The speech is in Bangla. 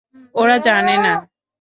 ওরা জানে না।